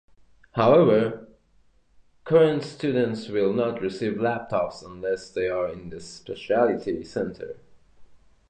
However, current students will not receive laptops unless they are in the specialty center.